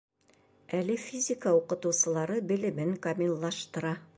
Әле физика уҡытыусылары белемен камиллаштыра.